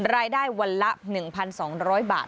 รายได้วันละ๑๒๐๐บาท